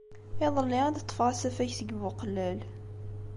Iḍelli i d-ṭṭfeɣ asafag seg Buqellal.